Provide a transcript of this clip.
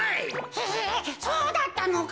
えそうだったのか。